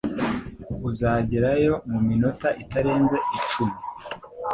Uzagerayo muminota itarenze icumi.